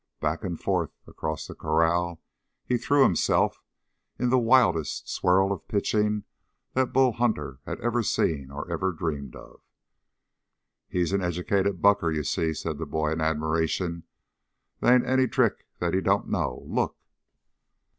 Back and forth across the corral he threw himself in the wildest swirl of pitching that Bull Hunter had ever seen or ever dreamed of. "He's an educated bucker, you see?" said the boy in admiration. "They ain't any trick that he don't know. Look!"